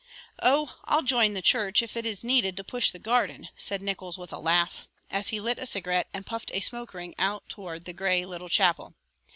"Oh, I'll join the church if it is needed to push the garden," said Nickols with a laugh, as he lit a cigarette and puffed a smoke ring out toward the gray little chapel.